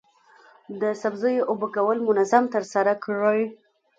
د سبزیو اوبه کول منظم ترسره کړئ.